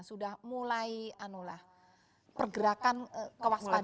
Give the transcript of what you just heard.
sudah mulai pergerakan kewaspadaan